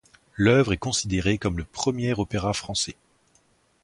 L'œuvre est considérée comme le premier opéra français.